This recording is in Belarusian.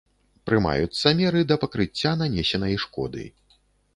Прымаюцца меры да пакрыцця нанесенай шкоды.